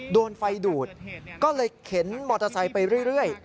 โดนไฟดูดก็เลยเข็นมอเตอร์ไซค์ไปเรื่อย